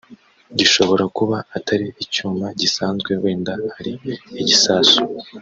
gishobora kuba atari icyuma gisanzwe wenda ari igisasu